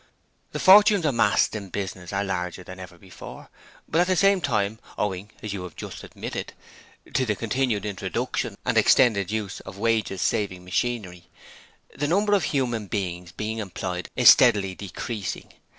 The fortunes amassed in business are larger than ever before: but at the same time owing, as you have just admitted to the continued introduction and extended use of wages saving machinery, the number of human beings being employed is steadily decreasing.